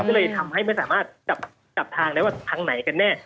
ก็เลยทำให้ไม่สามารถจับทางได้ว่าทางไหนกันแน่